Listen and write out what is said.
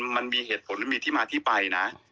มันมีเหตุผลหรือมีที่มาที่ไปนะ